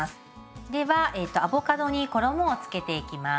ではえとアボカドに衣をつけていきます。